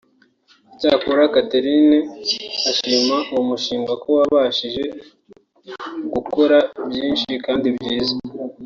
Icyakora Katrieen ashima uwo mushinga ko wabashije gukora byinshi kandi byiza